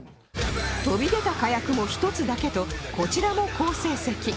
飛び出たカヤクも１つだけとこちらも好成績